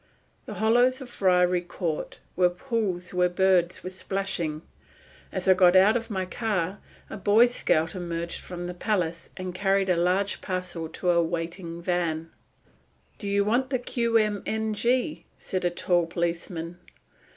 The hollows of Friary Court were pools where birds were splashing. As I got out of my car a Boy Scout emerged from the palace and carried a large parcel to a waiting van. "Do you want the Q.M.N.G.?" said a tall policeman.